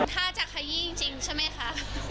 ถ้าจะขยี้จริงใช่ไหมคะ